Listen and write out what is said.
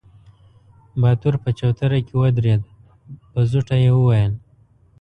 باتور په چوتره کې ودرېد، په زوټه يې وويل: